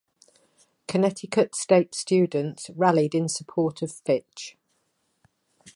Connecticut State students rallied in support of Fitch.